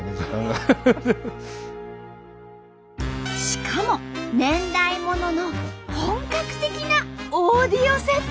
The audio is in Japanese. しかも年代物の本格的なオーディオセットも。